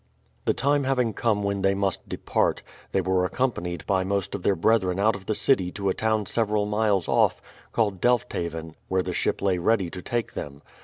The time having come when they must depart, they were accompanied by most of their brethren out of the city to a town several miles off, called Delfthaven, where the ship lay ready to take them.